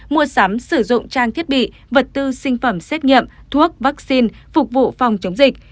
mua sắm sử dụng trang thiết bị vật tư sinh phẩm xét nghiệm thuốc vaccine phục vụ phòng chống dịch